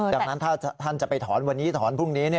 ดังนั้นถ้าท่านจะไปถอนวันนี้ถอนพรุ่งนี้